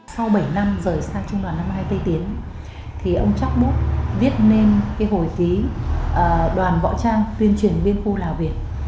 sau bảy năm rời sang trung đoàn năm mươi hai tây tiến ông chóc bút viết nên hội ký đoàn võ trang tuyên truyền biên khu lào việt